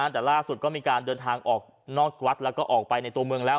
แต่ล่าสุดก็มีการเดินทางออกนอกวัดแล้วก็ออกไปในตัวเมืองแล้ว